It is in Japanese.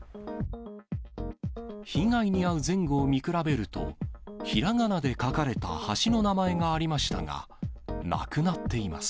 被害に遭う前後を見比べると、ひらがなで書かれた橋の名前がありましたが、なくなっています。